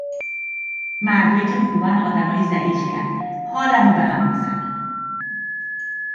مردایی که خوبن، آدمای ضعیفین، حالم رو بهم می زنن